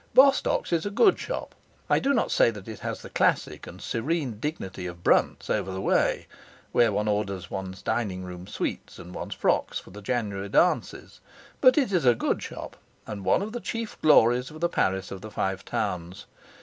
Bostock's is a good shop. I do not say that it has the classic and serene dignity of Brunt's, over the way, where one orders one's dining room suites and one's frocks for the January dances. But it is a good shop, and one of the chief glories of the Paris of the Five Towns.